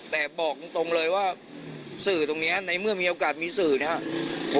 แต่บอกตรงเลยว่าสื่อตรงนี้ในเมื่อมีโอกาสมีสื่อนะครับ